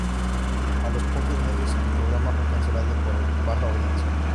A los pocos meses el programa fue cancelado por baja audiencia.